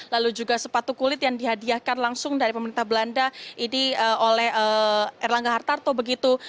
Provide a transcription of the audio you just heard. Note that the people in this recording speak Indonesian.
lalu juga sepatu kulit yang dihadiahkan langsung dari pemerintah belanda ini oleh erlangga hartarto begitu